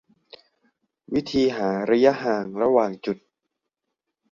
วิธีหาระยะห่างระหว่างจุด